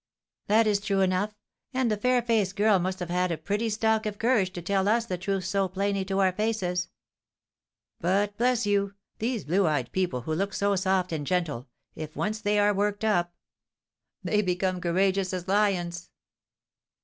"That is true enough; and the fair faced girl must have had a pretty stock of courage to tell us the truth so plainly to our faces." "But, bless you, these blue eyed people, who look so soft and gentle, if once they are worked up " "They become courageous as lions."